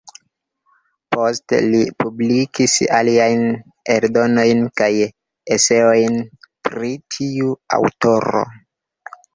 Poste li publikis aliajn eldonojn kaj eseojn pri tiu aŭtoro.